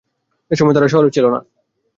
এ সময় তারা শহরে ছিল না।